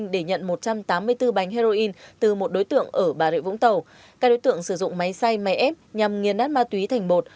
để nhận một trăm tám mươi bốn bánh heroin từ một đối tượng ở bà rịa vũng tàu các đối tượng sử dụng máy xay máy ép nhằm nghiên nát ma túy thành bột